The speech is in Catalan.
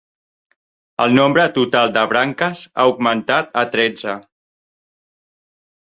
El nombre total de branques ha augmentat a tretze.